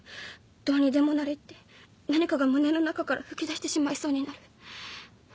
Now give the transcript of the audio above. どうにでもなれって何かが胸の中から噴き出してしまいそうになる。